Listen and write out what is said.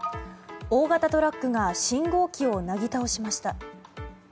大型トラックが信号機をなぎ倒しました。